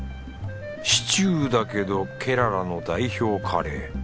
シチューだけどケララの代表カレー。